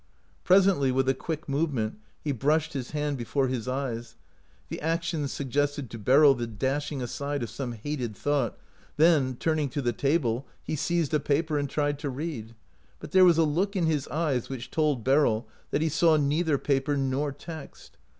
Presently, with a quick movement he brushed his hand before his eyes — the ac tion suggested to Beryl the dashing aside of some hated thought — then, turning to the table, he seized a paper and tried to read ; but there was a look in his. eyes which told Beryl that he saw neither paper nor text.